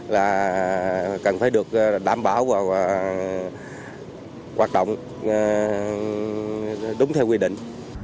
và cần phải được đảm bảo hoạt động đúng theo quy định